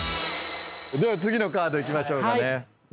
では次のカードいきましょうかね。